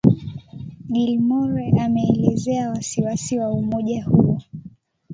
Gilmore ameelezea wasiwasi wa umoja huo.